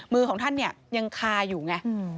ของท่านเนี่ยยังคาอยู่ไง